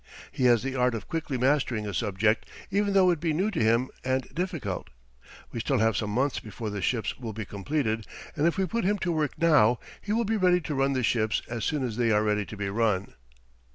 He has the art of quickly mastering a subject even though it be new to him and difficult. We still have some months before the ships will be completed, and if we put him to work now, he will be ready to run the ships as soon as they are ready to be run."